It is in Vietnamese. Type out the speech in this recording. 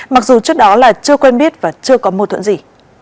mặc dù trước đó là chưa quen biết và chưa có mô thuận gì